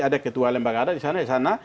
ada ketua lembaga ada di sana di sana